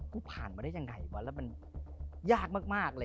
ผ่านมาได้ยังไงวะแล้วมันยากมากเลย